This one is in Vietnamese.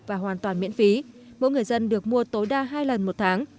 và hoàn toàn miễn phí mỗi người dân được mua tối đa hai lần một tháng